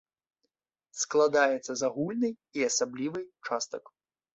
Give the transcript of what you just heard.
Складаецца з агульнай і асаблівай частак.